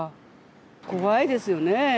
怖いですよね。